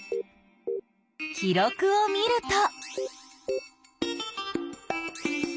記録を見ると。